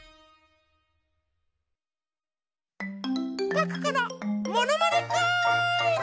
パクコのものまねクーイズ！